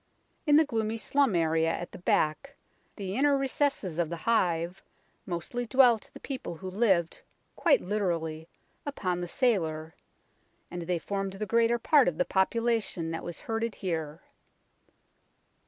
In the gloomy slum area at the back, the inner recesses of the hive, mostly dwelt the people who lived, quite literally, upon the sailor, and they formed the greater part of the population that was herded here.